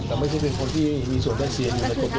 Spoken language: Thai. แต่ไม่ใช่เป็นคนที่มีส่วนได้เสียอยู่ในตัว